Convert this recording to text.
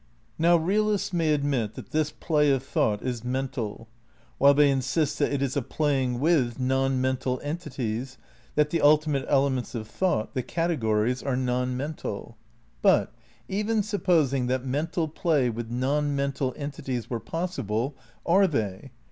iii Now realists may admit that this play of thought is Con mental, while they insist that it is a playing with non sraous mental entities, that the ultimate elements of thought, and the the categories, are non mental. gories But — even supposing that mental play with non men tal entities were possible — are they?